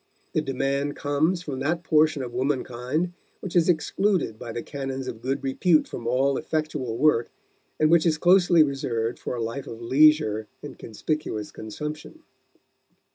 The demand comes from that portion of womankind which is excluded by the canons of good repute from all effectual work, and which is closely reserved for a life of leisure and conspicuous consumption.